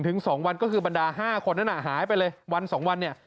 ถึง๒วันก็คือบรรดา๕คนนั้นหายไปเลยวัน๒วันเนี่ย